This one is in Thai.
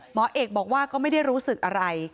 หมอเอกบอกว่าก็ไม่ได้รู้สึกอะไร